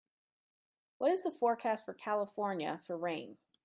what is the forecast for California for rain